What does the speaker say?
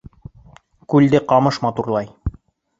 Күлде ҡамыш матурлай